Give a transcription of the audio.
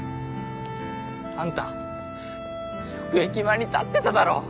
あんたよく駅前に立ってただろ？